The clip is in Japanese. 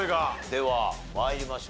では参りましょう。